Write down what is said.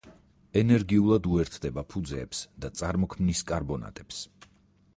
ენერგიულად უერთდება ფუძეებს და წარმოქმნის კარბონატებს.